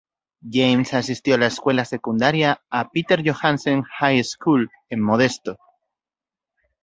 James asistió a la escuela secundaria a Peter Johansen High School en Modesto.